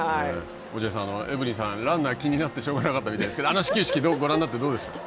落合さん、エブリンさんはランナーが気になってしょうがなかったようですが、あの始球式、ご覧になってどうでしたか。